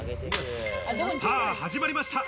さあ始まりました。